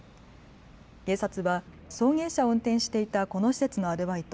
警察は送迎車を運転していたこの施設のアルバイト